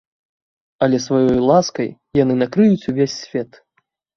Але сваёю ласкай яны накрыюць увесь свет.